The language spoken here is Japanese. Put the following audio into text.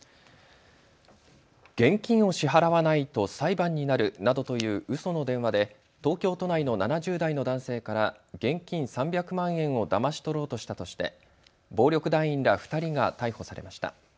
現金を支払わないと裁判になるなどという、うその電話で東京都内の７０代の男性から現金３００万円をだまし取ろうとしたとして暴力団員ら２人が逮捕されました。